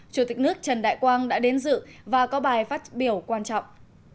chủ tịch nước trần đại quang đã đến dự và có bài phát biểu quan trọng